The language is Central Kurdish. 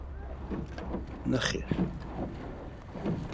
نەخێر.